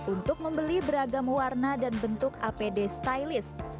untuk membeli beragam warna dan bentuk apd stylist